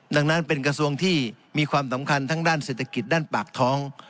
ดังนั้นเป็นกระทรวงที่มีความสำคัญทั้งด้านเศรษฐกิจด้านปากท้อง